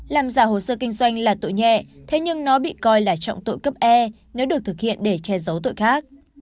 làm giả hồ sơ kinh doanh là tội nhẹ thế nhưng nó bị coi là trọng tội cấp e nếu được thực hiện để che giấu tội khác